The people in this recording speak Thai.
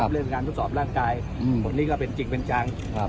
เรื่องการทดสอบร่างกายผลนี้ก็เป็นจริงเป็นจัง